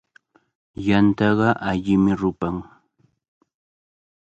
Yantaqa allimi rupan.